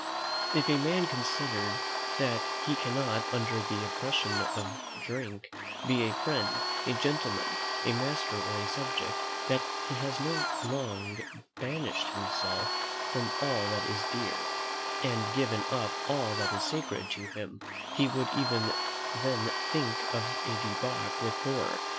If a man considered that he cannot, under the oppression of drink, be a friend, a gentleman, a master, or a subject: that he has so long banished himself from all that is dear, and given up all that is sacred to him: he would even then think of a debauch with horror.